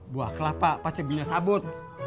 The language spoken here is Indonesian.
buah kelapa pasti punya sabut